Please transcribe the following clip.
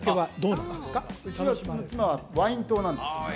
うちの妻はワイン党なんです